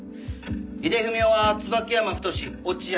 井出文雄は椿山太落合